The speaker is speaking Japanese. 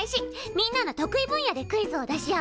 みんなの得意分野でクイズを出し合おう。